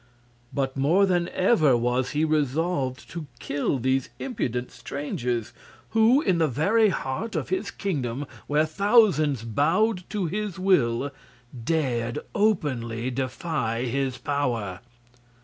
But more than ever was he resolved to kill these impudent strangers, who, in the very heart of his kingdom where thousands bowed to his will, dared openly defy his power.